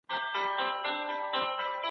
انسان لرو.